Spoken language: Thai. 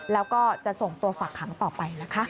แล้วก็จะส่งตัวฝักขังต่อไปนะคะ